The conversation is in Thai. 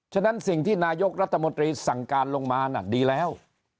ฉะนั้นสิ่งที่นายกรัฐมนตรีสั่งการลงมาน่ะดีแล้ว